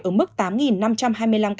ở mức tám năm trăm hai mươi năm ca